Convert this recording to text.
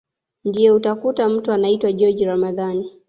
Ndio utakuta mtu anaitwa joji Ramadhani